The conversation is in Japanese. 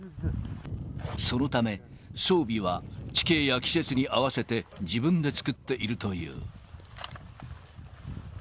そのため、装備は、地形や季節に合わせて、自分で作っているという。